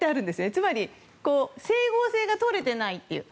つまり、整合性が取れていないという。